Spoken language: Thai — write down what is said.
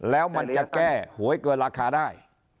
แล้วมันจะแก้หวยเกินราคาได้